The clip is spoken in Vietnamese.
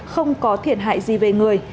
không có thiện hại gì về người